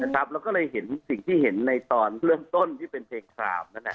ครับแล้วก็เลยเห็นสิ่งที่เห็นในตอนเริ่มต้นที่เป็นเพลงข่าวนั่นแหละ